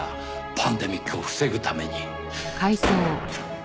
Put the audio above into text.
パンデミックを防ぐために。